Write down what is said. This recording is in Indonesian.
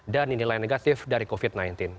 dan dinilai negatif dari covid sembilan belas